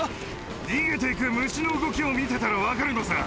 逃げていく虫の動きを見てたら分かるのさ。